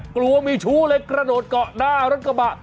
กลัวมีชู้เลยกระโดดเกาะหน้ารถกระบะ